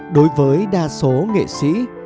đối với đa số nghệ sĩ